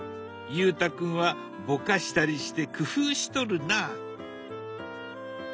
裕太君はぼかしたりして工夫しとるな。